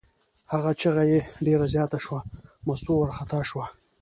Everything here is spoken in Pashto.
هغه چغه یې ډېره زیاته شوه، مستو وارخطا شوه.